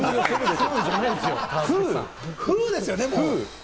フ！ですよね。